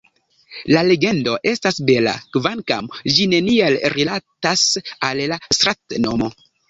La legendo estas bela, kvankam ĝi neniel rilatas al la strat-nomo.